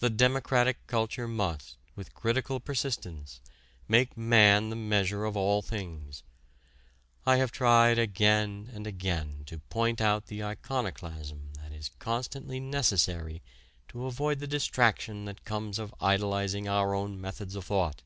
The democratic culture must, with critical persistence, make man the measure of all things. I have tried again and again to point out the iconoclasm that is constantly necessary to avoid the distraction that comes of idolizing our own methods of thought.